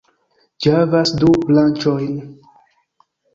Ĝi havas du branĉojn.